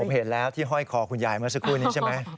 ผมเห็นแล้วที่ห้อยคอคุณยายเมื่อสักครู่นี้ใช่ไหม